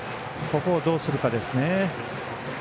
ここをどうするかですね。